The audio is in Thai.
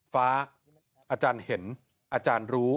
ฟ้าอาจารย์เห็นอาจารย์รู้